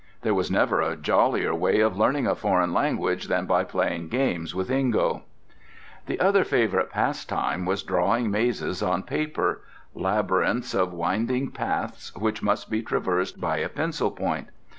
There was never a jollier way of learning a foreign language than by playing games with Ingo. The other favourite pastime was drawing mazes on paper, labyrinths of winding paths which must be traversed by a pencil point.